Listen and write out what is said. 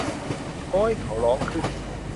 โอ้ย เขาร้องขึ้น